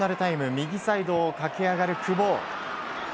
右サイドを駆け上がる久保。